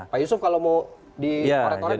pak yusuf kalau mau dikorek korek itu baik